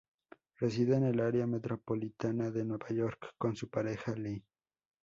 Reside en el área metropolitana de Nueva York con su pareja Lee.